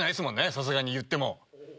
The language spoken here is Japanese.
さすがにいっても。